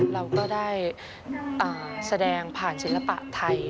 เราก็ได้แสดงผ่านศิลปะไทย